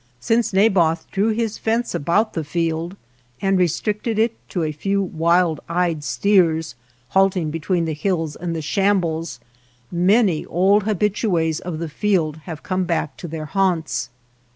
Since Naboth drew his' 131 MY NEIGHBORS FIELD fence about the field and restricted it to a few wild eyed steers, halting between the hills and the shambles, many old habitues of the field have come back to their haunts.